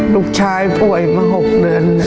ลูกชายป่วยมา๖เดือน